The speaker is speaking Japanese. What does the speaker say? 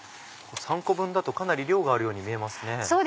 ３個分だとかなり量があるように見えますね。